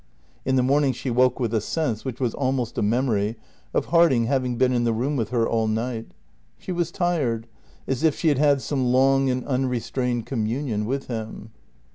In the morning she woke with a sense, which was almost a memory, of Harding having been in the room with her all night. She was tired, as if she had had some long and unrestrained communion with him.